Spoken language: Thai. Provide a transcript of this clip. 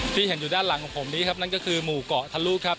ที่เห็นอยู่ด้านหลังของผมนี้ครับนั่นก็คือหมู่เกาะทะลุครับ